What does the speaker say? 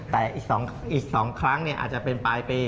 แต่อีก๒ครั้งอาจจะเป็นปลายปี